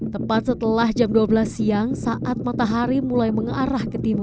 tepat setelah jam dua belas siang saat matahari mulai mengarah ke timur